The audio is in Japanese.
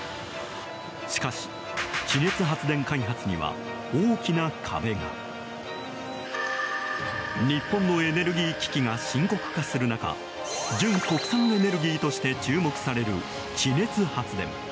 しかし、地熱発電開発には大きな壁が。日本のエネルギー危機が深刻化する中純国産エネルギーとして注目される地熱発電。